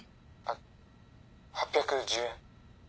あっ８１０円。